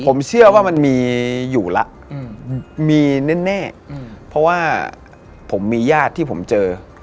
ผมเชื่อว่ามันมีอยู่แล้วมีแน่เพราะว่าผมมีญาติที่ผมเจอ